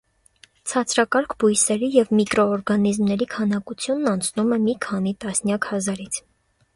Ցածրակարգ բույսերի և միկրոօրգանիզմների քանակությունն անցնում է մի քանի տասնյակ հազարից։